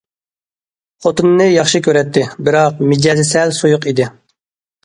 خوتۇنىنى ياخشى كۆرەتتى... بىراق مىجەزى سەل سۇيۇق ئىدى.